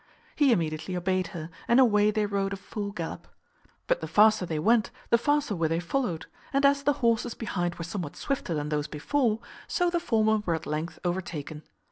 He immediately obeyed her, and away they rode a full gallop. But the faster they went, the faster were they followed; and as the horses behind were somewhat swifter than those before, so the former were at length overtaken.